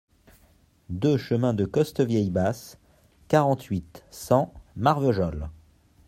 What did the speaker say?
deux chemin de Costevieille Basse, quarante-huit, cent, Marvejols